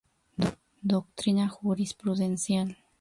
Doctrina Jurisprudencial.